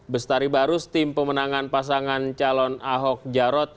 bestari barus tim pemenangan pasangan calon ahok jarot